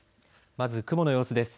まず雲の様子です。